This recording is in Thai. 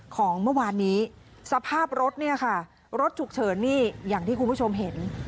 ของเมื่อวานนี้สภาพรถเนี่ยค่ะรถฉุกเฉินนี่อย่างที่คุณผู้ชมเห็น